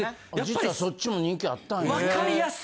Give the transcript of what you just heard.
実はそっちも人気あったんやな。